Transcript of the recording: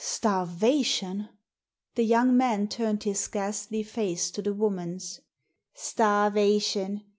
"Starvation!" The young man turned his ghastly face to the woman's. "Starvation.